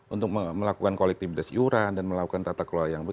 untuk melakukan kolektibilitas iuran dan melakukan tata kelola yang